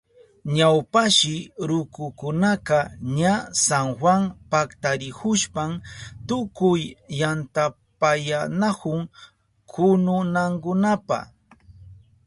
Ñawpashi rukukunaka ña San Juan paktarihushpan tukuy yantapayanahun kununankunapa.